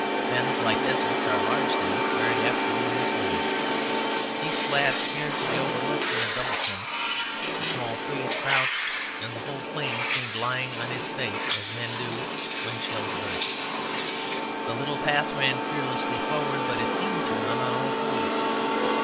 Fens, like deserts, are large things very apt to be mislaid. These flats feared to be overlooked in a double sense; the small trees crouched and the whole plain seemed lying on its face, as men do when shells burst. The little path ran fearlessly forward; but it seemed to run on all fours.